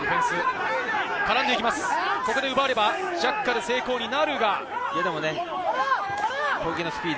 ここで奪えばジャッカル成功になるが。